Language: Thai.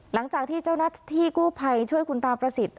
หลังจากที่เจ้าหน้าที่กู้ภัยช่วยคุณตาประสิทธิ์